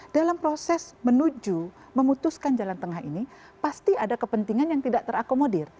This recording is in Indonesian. dalam proses menuju memutuskan jalan tengah ini pasti ada kepentingan yang tidak terakomodir